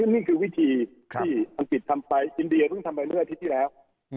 นี่คือวิธีที่อังกฤษทำไปอินเดียเพิ่งทำไปเมื่ออาทิตย์ที่แล้ว